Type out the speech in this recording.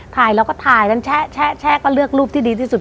ถ่ายแล้วก็ถ่ายนั้นแชะก็เลือกรูปที่ดีที่สุด